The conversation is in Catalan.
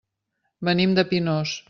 Venim de Pinós.